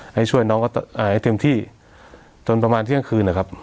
ให้ช่วยน้องให้เต็มที่จนประมาณเที่ยงคืนนะครับ